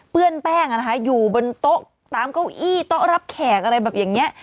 ื้อนแป้งอยู่บนโต๊ะตามเก้าอี้โต๊ะรับแขกอะไรแบบอย่างนี้